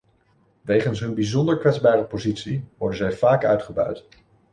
Wegens hun bijzonder kwetsbare positie worden zij vaak uitgebuit.